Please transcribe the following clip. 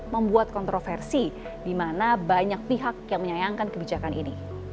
membuat kontroversi di mana banyak pihak yang menyayangkan kebijakan ini